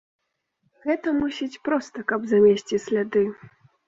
Гэта, мусіць, проста, каб замесці сляды.